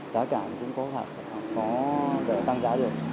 giá cả cũng có thể tăng giá được